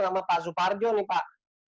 nama pak suparjo nih pak